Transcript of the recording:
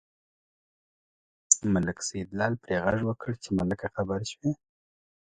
ملک سیدلال پرې غږ وکړ چې ملکه خبر شوې.